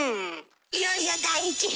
いよいよ第１位！